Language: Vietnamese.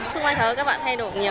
xung quanh cháu các bạn thay đổi nhiều